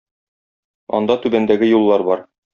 Анда түбәндәге юллар бар: